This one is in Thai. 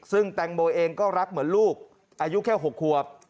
ซึ่งแตงโมเองก็รักเหมือนลูกอายุแค่๖ควบ